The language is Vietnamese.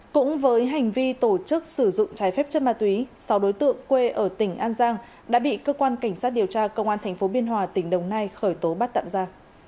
cũng với hành vi tổ chức sử dụng trái phép chất ma túy sáu đối tượng quê ở tỉnh an giang đã bị cơ quan cảnh sát điều tra công an tp biên hòa tỉnh đồng nai khởi tố bắt tạm ra